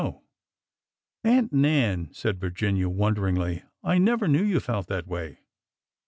know !" Aunt Nan," said Virginia, wonderingly, I never knew you felt that way."